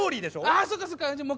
ああそっかそっか。